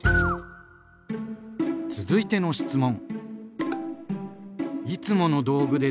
続いての質問！